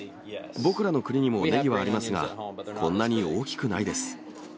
僕らの国にもネギはありますが、こんなに大きくないです。